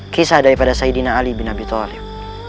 kisah daripada saidina ali bin nabi talib